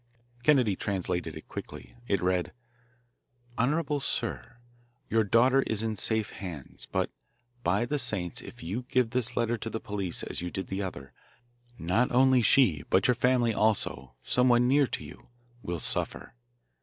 Kennedy translated it quickly. It read: Honourable sir: Your daughter is in safe hands. But, by the saints, if you give this letter to the police as you did the other, not only she but your family also, someone near to you, will suffer.